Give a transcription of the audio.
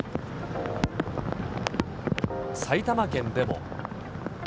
埼玉県でも。